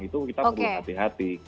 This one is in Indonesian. itu kita perlu hati hati